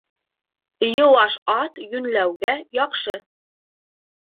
Йыуаш ат йүнләүгә яҡшы.